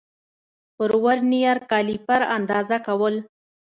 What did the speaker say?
پر ورنیر کالیپر اندازه کول